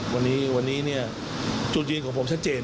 วันนี้จุดยืนของผมชัดเจน